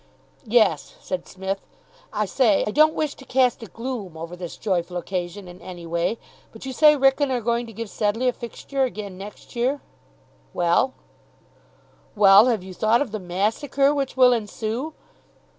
"Yes," said Psmith. "I say, I don't wish to cast a gloom over this joyful occasion in any way, but you say Wrykyn are going to give Sedleigh a fixture again next year?" "Well?" "Well, have you thought of the massacre which will ensue?